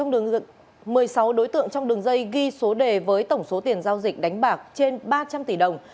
một mươi sáu đối tượng trong đường dây ghi số đề với tổng số tiền giao dịch đánh bạc trên ba trăm linh tỷ đồng